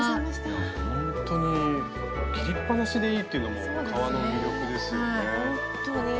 ほんとに切りっぱなしでいいっていうのも革の魅力ですよね。